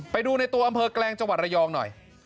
ไปดูในตัวอำเภอแกลงจังหวัดระยองหน่อย